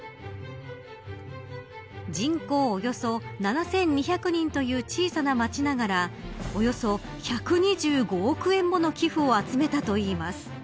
人口およそ７２００人という小さな町ながらおよそ１２５億円もの寄付を集めたといいます。